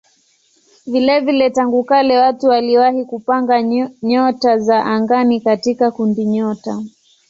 Vilevile tangu kale watu waliwahi kupanga nyota za angani katika kundinyota.